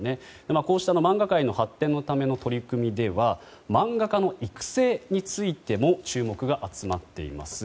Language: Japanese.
こうした漫画界の発展のための取り組みでは漫画家の育成についても注目が集まっています。